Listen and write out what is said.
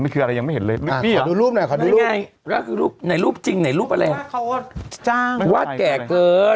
คืออะไรยังไม่เห็นเลยนี่เดี๋ยวดูรูปหน่อยขอดูไงก็คือรูปไหนรูปจริงไหนรูปอะไรเขาก็จ้างวาดแก่เกิน